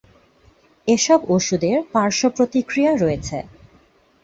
এসব ওষুধের পার্শ্বপ্রতিক্রিয়া রয়েছে।